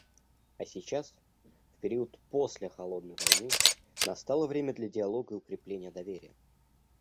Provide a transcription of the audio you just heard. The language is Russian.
А сейчас, в период после «холодной войны», настало время для диалога и укрепления доверия.